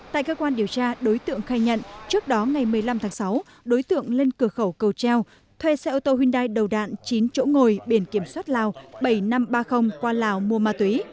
tại cơ quan điều tra đối tượng khai nhận trước đó ngày một mươi năm tháng sáu đối tượng lên cửa khẩu cầu treo thuê xe ô tô hyundai đầu đạn chín chỗ ngồi biển kiểm soát lào bảy nghìn năm trăm ba mươi qua lào mua ma túy